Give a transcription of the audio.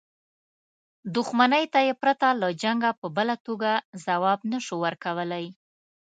دښمنۍ ته یې پرته له جنګه په بله توګه ځواب نه شو ورکولای.